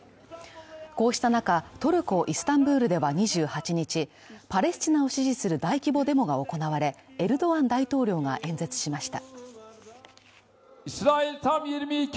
こうした中、トルコ・イスタンブールでは２８日、パレスチナを支持する大規模デモが行われ、エルドアン大統領が演説しました。